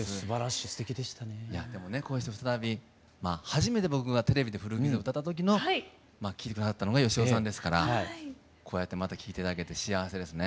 いやでもねこうやって再び初めて僕がテレビで「古傷」を歌った時の聴いて下さったのが芳雄さんですからこうやってまた聴いて頂けて幸せですね。